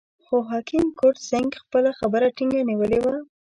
خو حکیم کرت سېنګ خپله خبره ټینګه نیولې وه.